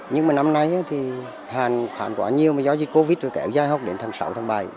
nhưng mà năm nay thì hạn quá nhiều mà do dịch covid kéo dài học đến tháng sáu tháng bảy